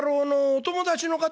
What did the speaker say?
「お友達の方。